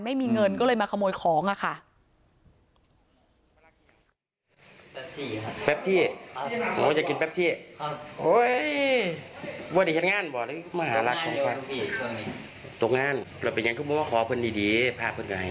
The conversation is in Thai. ไม่มีเงินก็เลยมาขโมยของค่ะ